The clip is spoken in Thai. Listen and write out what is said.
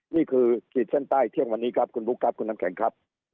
ขีดเส้นใต้เที่ยงวันนี้ครับคุณบุ๊คครับคุณน้ำแข็งครับ